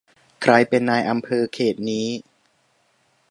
ใครเป็นนายอำเภอเขตนี้